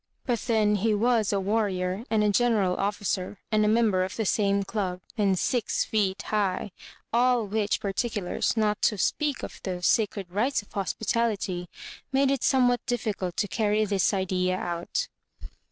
But then he was a warrior and a general officer, and a member of the same club, and six feet high — all which par ticulars, not to speak of the sacred rights of hos pitality, made it somewhat difficult to carry this idea out.